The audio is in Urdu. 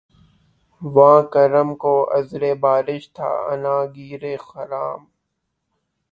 واں کرم کو عذرِ بارش تھا عناں گیرِ خرام